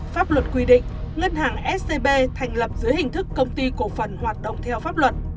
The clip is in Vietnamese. pháp luật quy định ngân hàng scb thành lập dưới hình thức công ty cổ phần hoạt động theo pháp luật